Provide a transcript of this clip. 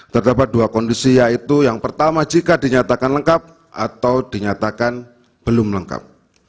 terdapat dua kondisi yaitu yang pertama jika dinyatakan lengkap atau dinyatakan belum lengkap